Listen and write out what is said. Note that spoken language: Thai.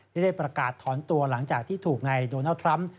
ได้ประกาศถอนตัวหลังจากที่ถูกนายโดนัลด์ทรัมป์